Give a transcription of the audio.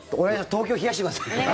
東京、冷やしてください。